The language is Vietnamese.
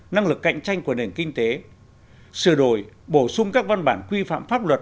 năng lực cạnh tranh của nền kinh tế sửa đổi bổ sung các văn bản quy phạm pháp luật